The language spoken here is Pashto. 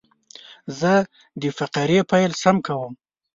زه د فقرې پیل سم کوم.